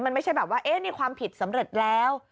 มันไม่ใช่แบบว่านี่ความผิดสำเร็จแล้ว